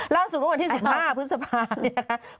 ล่าสู่เมื่อกว่าที่๑๕พฤษภาคเนี่ยค่ะ